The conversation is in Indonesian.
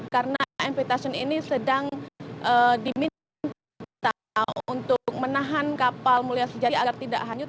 karena mvtation ini sedang diminta untuk menahan kapal mulia sejati agar tidak hanyut